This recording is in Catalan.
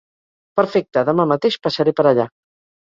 Perfecte, demà mateix passaré per allà.